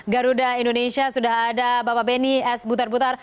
garuda indonesia sudah ada bapak beni s butar butar